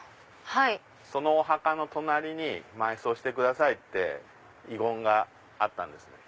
そのお墓の隣に埋葬してくださいって遺言があったんです。